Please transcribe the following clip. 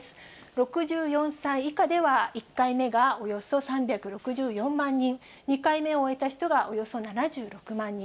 ６４歳以下では１回目がおよそ３６４万人、２回目を終えた人がおよそ７６万人。